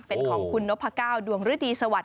เป็นของคุณนพก้าวดวงฤดีสวัสดิ